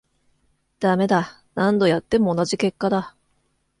ダメだ、何度やっても同じ結果だ